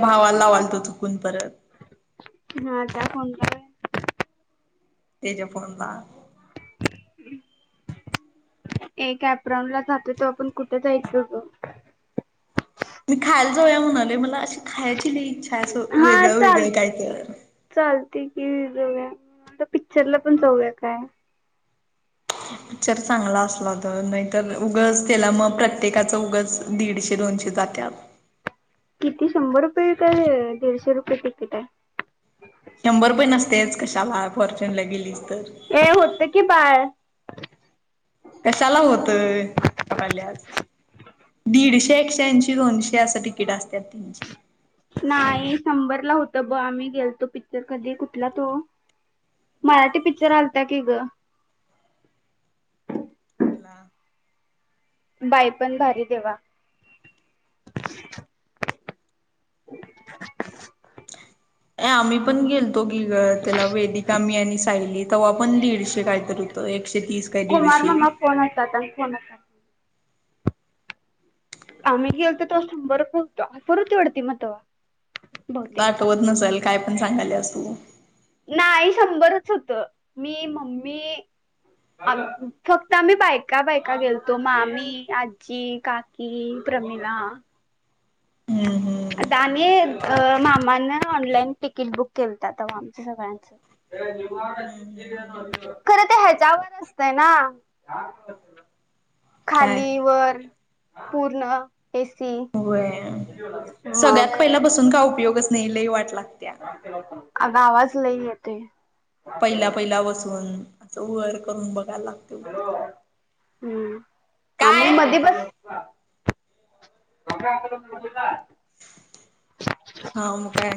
भावाला वालतो चुकून परत ह त्या फोन करा तेच्या फोनला ए कॅपराऊंड ला जातो तो आपण कुठे जायच गं? मी खायला जाऊया म्हणाले मला अशी खायची लय इच्छा असं हा वेगळं चाल वेगळं काय तर चालते की जाऊया, पिक्चरला पण जाऊया काय? पिक्चर चांगला असला तर नाही तरं उगंच त्याला मग प्रत्येकाचं उगच दीडशे दोनशे जात्यात. किती शंभर रुपये काय दीडशे रुपये तिकीट आहे? शंभर रुपये नसतयचं कशाला फॉर्च्युनला गेलीस तर. ये होतं की बाळं. कशाला होतंय कापाल्याज दीडशे, एकशे ऐंशी, दोनशे असं तिकीट असत्यात त्यांची. नाही शंभरला होत ब आम्ही गेलतो पिक्चर कधी कुठला तो? मराठी पिच्चर आलता की गं. कुठला? बाईपण भारी देवा [inaudible] ये आम्ही पण गेलतो की गं त्याला वेदिका मी आणि सायली तवा पण दीडशे काय तर हुतं एकशे तीस काय कुमार दीडशे मामा फोन असतात फोन अस आम्ही गेलतो तवा शंभर रुपये होतं परर होती वाडत मग तवा. तुला आठवत नसेल काय पण सांगाल्यास तू. नाही शंभरच होतं मी, मम्मी फक्त आम्ही बायका बायका गेलतो मामी, आज्जी, का की, प्रमिला. हम् हम्. दामी मामानं ऑनलाईन तिकीट बुक केलंता तवा आमचं सगळ्यांचं. खरं ते ह्याच्यावर असतंय ना. काय खाली वर पूर्ण ए सी. व्हय. किती वेळ लागलं? सगळ्यात पहिला बसून काय उपयोगच नाही लय वाट लागत्या. आगं आवाज लई येतोय. पहिल्या पहिला बसून असं वर करून बघायला लागतंय उगंच. हम्म आम्ही मध्ये बस [unintelligible] हा म काय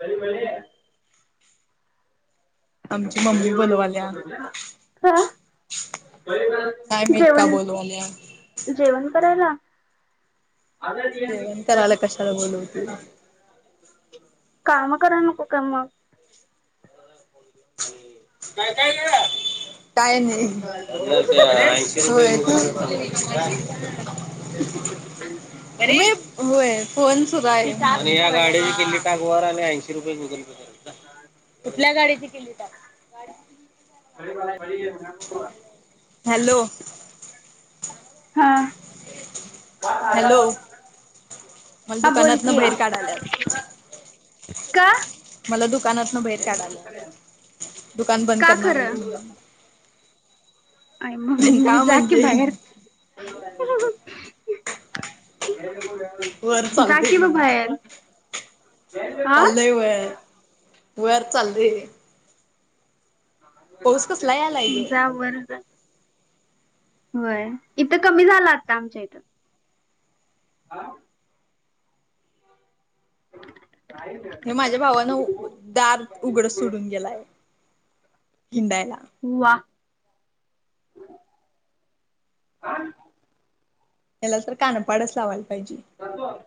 [unintelligible] बरी आहे आमची मम्मी बलवाल्या. हा काय माहीत का जेवण बोलवाल्या. जेवण करायला? जेवण करायला कशाला बोलवतील? काम कराय नको काय मग. काय नाही. मग होेय, तू? बरी आहीस? होय, फोन सुरु आहे. आणि या गाडीची किली टॅंक वर आल्या आणि ऐंशी रुपये गुगल पे कुठल्या गाडीची किल्ली टाक? [unintelligible] हॅलो. हा. हॅलो मला हां दुकानातन बोलकी बाहेर काढाल्यात कां मलां दुकानांतून बाहेर काढायंला आहे दुकानं बंद का करणारं खरं आहेतं म्हणूंन आणि मंग मी का जां की म्हणजे बाहेर हं हां हां हं वर कां चालते की बाभयांल चाललं वयांर वयांत चालली हे कसला यालाय ग जां बरं बरं जां होयं इथं कमी झालांत कां आमच्यां इथं हां कायं हे माझ्यां भावानं दारं उघडं सोडूंन गेलांय हिंडांयला हो वां त्यांला तरं कानपांडचं लावांयला पाहिजे कांत बरं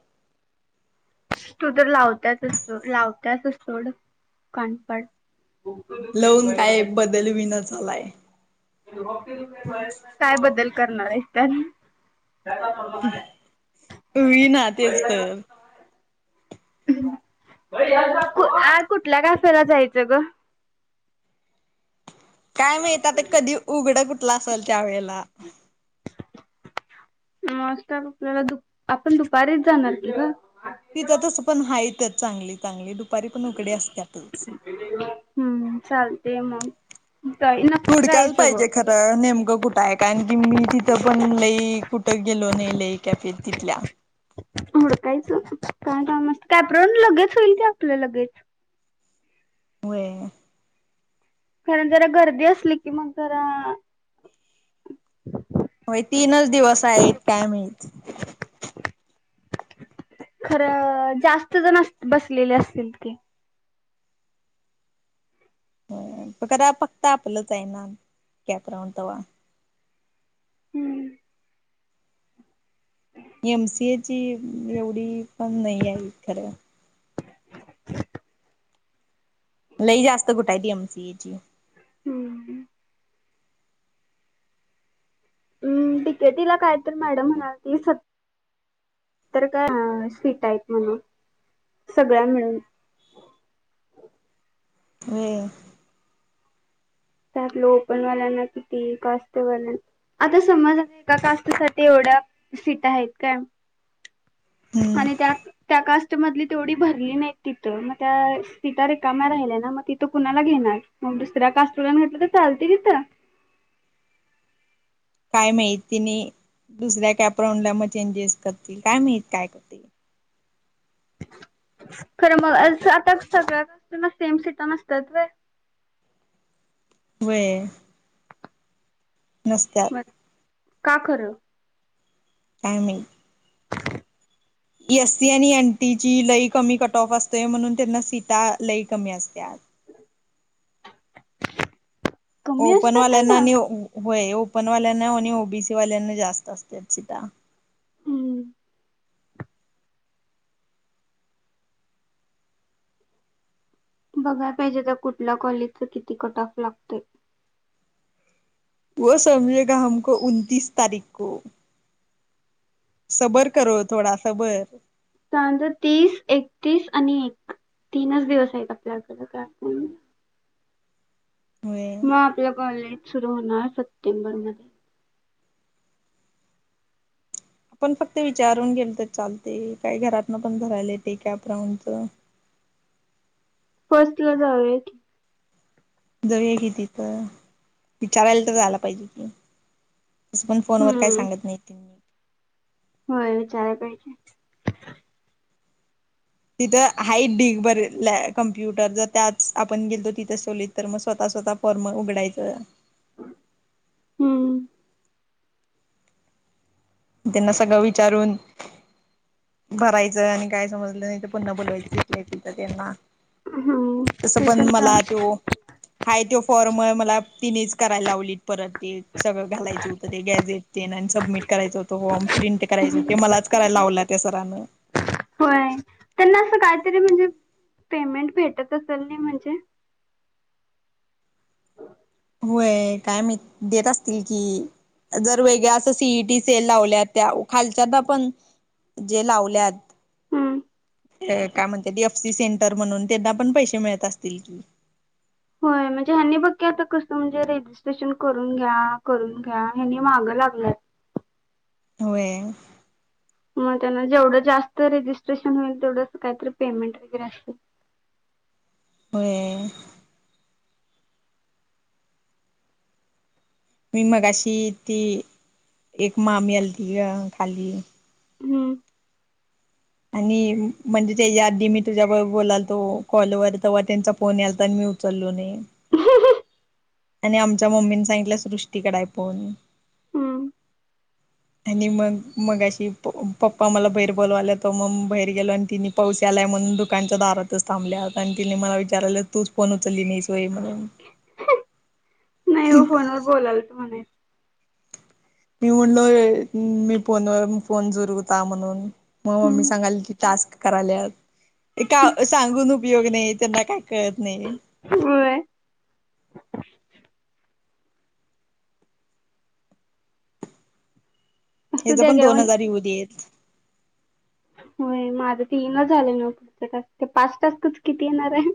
तूं तरं लावतांच असतो लावतांच असं सोड कानपांड डोके दुखे बयां बाई बलवीन झालां आहे कायं बदलं करणारं आहेतं त्यांनी होई नां तेचं तरं आंज कुंठल्या कॅफेला जायचं गं कायं माहित ते कधीं उघडं कुठलं असेल त्यां वेळेला मॉन स्टॉप आपल्यांला दुं आपणं दुपारीचं जाणारं की गं तिथं तसं पणं हाईतचं चांगली चांगली दुपारी पणं उघडे असत्यांतचं. हम्मं चालते मंग. हुडकायंला पाहिजे खरं. नेमकं कुठं आहे कारणं की मी तिथं पणं लई कुठं गेलो नाहीं लई कॅफेत तिथल्यां. हुडकायंचं कायं कामं असं कॅप राऊंड लगेच होईल की आपलं लगेच. होयं. कारणं जरां गर्दी असली की मगं जरां. [inaudible] [unintelligible] होयं तीनंच दिवसं आहेतं कायं माहित खरं जास्तं जणं असं बसलेले असतील की. हो खरं फक्तं आपलंच आहे नां कॅप राऊंड तवां. हम्मं एमसीएची एवढी पणं नाहीं आहे खरं. [inaudible] [unintelligible] लई जास्तं कुठांयत एमसीएची. हम्मं हम्मं हम्मं डीकेटीला कायं तरं मॅडम म्हणांलती स. त्तरं कां हां शीटा आहेतं म्हणूंन सगळ्यां मिळूंन. व्हयं ते आपल्या ओपनवाल्यांना किती कास्तंवाल्या. आंता समजं एकां कास्टंसाठी एवढ्यां सीट आहेतं कायं हम्म आणि त्यांत त्यां कास्टंमधली तेवढी भरली नाहीं तिथं मंग त्यां तिथं सीटां रिकाम्यां राहिल्यां नां मगं तिथं कुणांला घेणारं. मग दुसऱ्या कास्तवाल्यांना [unintelligible] घेतलं तर चालतय तिथं काय माहिती नाही दुसऱ्या प्रोग्राम ला [unintelligible] मग चेंजेस करतील. काय माहीत काय करतील. खरं मग आता सगळ्या सीटाना [unintelligible] सेम सीटा नसतात व्हय व्हय नसत्या मग का खरं काय माहित एस सी आणि एन टी ची लई कमी कटऑफ असतोय म्हणून त्यांना सीटा लई कमी असत्यात कमी ओपन असतात वाल्यांना त्यांना आणि होय ओपन वाल्यांना आणि ओ बीसी वाल्यांना जास्त असत्यात सिटा. हम्म बघाय पाहिजे ते कुठल्या कॉलेजच किती कट ऑफ लागतय. वो समजेगा, हमको उनतीस तारीख को. सबर करो, थोडा सबर सांग [unintelligible] तीस एकतीस आणि एक तीनच दिवस आहेत आपल्याकड [unintelligible] होय. मग आपल कॉलेज सुरू होणार. सप्टेंबरमध्ये. आपण फक्त विचारून गेल तर चालते. काही घरातन पण भरायला येते कॅप राऊंडच. फर्स्टला जाऊया की. [unintelligible] जाऊया कि तिथ विचारायला [unintelligible] तर जायला पाहिजे की. तस पण फोन वर काय हम्म सांगत नाही ते होय विचाराय पाहिजे. तिथं हाईत ढीगभर कम्प्युटर जर त्याच आपण गेलो तिथं खोलीत [inaudible] तर मग स्वतः स्वतः फॉर्म उघडायचं. हम्म त्यांना सगळं विचारून. भरायचं आणि काय समजलं नाही तर. पुन्हा बोलवायच तिथंल्या तिथ त्यांना हम्म [unintelligible] तसं ते पण तर चाल मला त्यो. [inaudible] हाय त्यो फॉर्म आहे मला तिनीच करायला लावलीत. परत ते सगळं घालायचं होतं. ते गॅझेट तेन आणि सबमिट करायचं होतं. फॉर्म [unintelligible] प्रिंट करायचं ते मलाच. करायला लावला त्या सरान. होय त्यांना असं काहीतरी म्हणजे पेमेंट भेटत असेल नाही म्हणजे, होय काय माहित देत असतील की, जर वेगळ्या असं सी ई टी सेल लावल्या त्या खालच्यान [inaudible] पण जे लावल्यात हम्म काय म्हणतात डी [unintelligible] एफ सी सेंटर म्हणून त्यांना पण पैसे मिळत असतील की होय म्हणजे ह्यांनी बघकी आता कसं म्हणजे [unintelligible] रजिस्ट्रेशन करून घ्या करून घ्या ह्यांनी मागं लागल्यात. होय [unintelligible] मग त्यांना जेवढं जास्त रेजिस्ट्रेशन होईल, तेवढं काहीतरी पेमेंट वगैरे असेल [unintelligible] मी मगशी ती एक मामी आलती ग खाली हम्म आणि म्हणजे त्याच्या आधी मी तुझ्याबरोबर बोलालतो कॉलवर तेव्हा त्यांचा फोन यालता आणि मी चालूनणे [unintelligible] आणि आमच्या मम्मीनी सांगितलं सृष्टीकड हाय हाय फोन. हम्म आणि मग मग मगाशी प पप्पा मला बाहेर बोलवाला तो मग बाहेर गेलो आणि तिनी पावस आलाय म्हणून दुकानच्या दारातच थांबल्या आणि तिने मला विचारालं तूच फोन उचलली नाही होय म्हणून नाही हो फोन वर बोला [unintelligible] तू म्हणे मी म्हणलोय मी फोनवर फोन जुरूता म्हणून. मग मम्मी हम्म सांगाली की टास्क करायल्या. ते का सांगून उपयोग नाही त्यांना काय कळत नाही. होय असू हेझ द्या पण घ्या दोन हजार येऊ देत. होय माझ ते ईनच झाले ना पुढच्या टास्क, ते पाच टास्क‌च किती येणार आहे?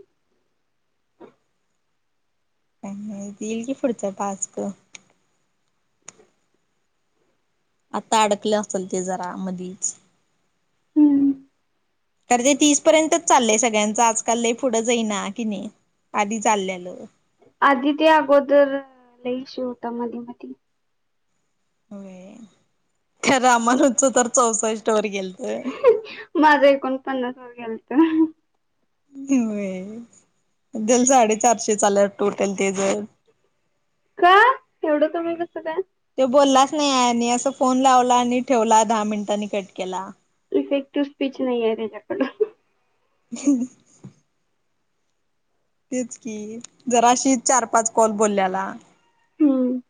नाही, ते येईल की पुढचां टास्क. आता अडकलं असल ते जरा मधीच. हम्म तर ते तीस पर्यंतच चाललंय सगळ्यांचं आजकाल लय पुढं जाईना की नाही आधी चालल्यालं. आधी ते अगोदर लई शो होता मधी-मधी. होय, खरं आमालच तर चौसष्ट वर गेलतय. माझा एकोण पन्नास वर गेलता. होय, जर साडेचारशे चाल्यात टोटल ते जर. का एवढं कमी कसं काय? तो बोललाच नाही आहे असं फोन लावला आणि ठेवला दहा मिनिटांनी कट केला. इफेक्टव्ह स्पीच नाही तेच्यापल. [unintelligible] तेच कि जराशी चार-पाच कॉल बोलल्याला. हम्म.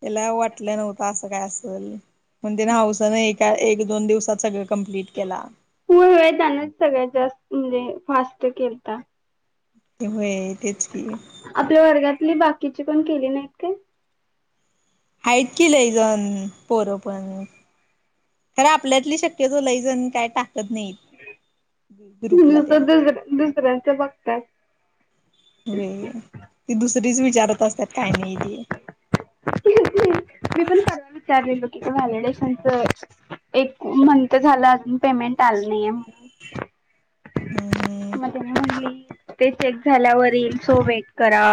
त्याला वाटलं नव्हतं असं काय असेल. मग तिने हाऊसाने एका एक-दोन दिवसात सगळ कंमप्लीट केला. होय त्यांनाच सगळ्यात जास्त म्हणजे फास्ट केलता. ते वय, तेच की. आपल्या वर्गातली बाकीची कोण केली नाहीत काय? हाईत की लय जण पोरं पण. खरं आपल्यातली शक्यतो लय जण काय टाकत नाहीत. ग्रुपला नुसत त्या दुसऱ्या, दुसऱ्यांचे बघतय. वय ती दुसरीच विचारत असतात काय नाही ते. [unintelligible] मी पण सराला विचारलेलो की व्हॅलिडेशनच. एक म्हणत झालं अजून पेमेंट आलं नाहीये म्हणून. हम्म हम्म मग म्हणे ते चेक झाल्यावरील सो वेट करा.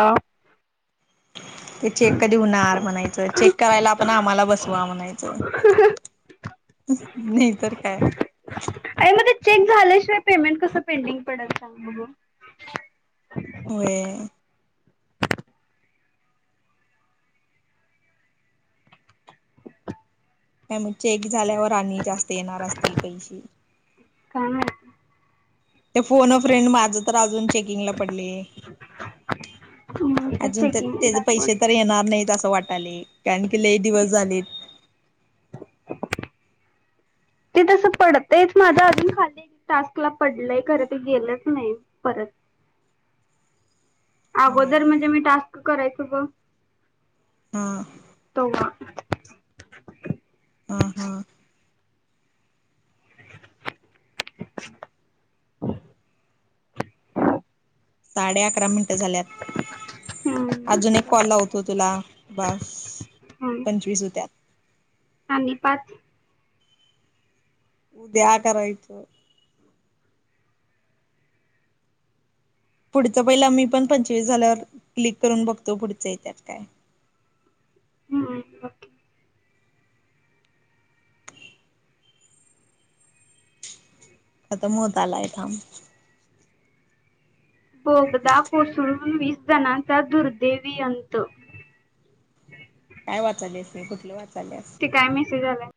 ते चेक कधी होणार म्हणायचं चेक करायला आपण आम्हाला बसवा म्हणायचं. नाही तर काय. अ मग चेक झाल्या शिवाय पेमेंट कस पेंडिंग पडता म्हणून. होय. काय मग चेक झाल्यावर आणि जास्त येणार असतील पैसे. काय माहित ते फोन अ फ्रेंड माझ तर अजून चेकिंगला पडले. [inaudible] मग ते अजून तर चेकिंग तेच पैसे तर दाखवते येणार नाहीत अस वाटायले कारण की लई दिवस झाले-. ते तस पडतेच माझ्या अजून खाली टास्क ला पडलय खर ते गेलच नाही परत. [inaudible] होय अगोदर म्हणजे मी टास्क करायचो बघ. हा. तोव्हा. हा हा. [unintelligible] साडे अकरा मिनिट झाल्यात हम्म अजून एक कॉल लावतो तुला बास. हम्. पंचवीस होत्यात. आणि पाच ऊद्या करायच. पुढच पहिल मी पण पंचवीस झाल्यावर क्लिक करून बघतो पुढच येत्यात काय. हम्म् बग. खतम होत आलंय थांब. बोगदा कोसळून वीस जणांचा दुर्दैवी अंत. काय वाचाल्या हे कुठल वाचाल्यास? ते काय मेसेज आलाय?